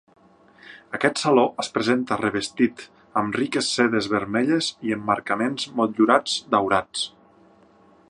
Aquest saló es presenta revestit amb riques sedes vermelles i emmarcaments motllurats daurats.